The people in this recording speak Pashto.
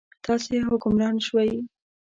تاسې حکمران شوئ.